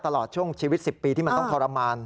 ตลอดช่วงชีวิต๑๐ปีที่มันต้องทรมาน